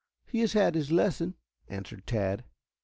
He has had his lesson," answered Tad.